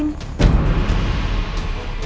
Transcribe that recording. nggak ada apa apa